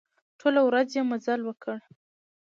ټوله ورځ يې مزل وکړ.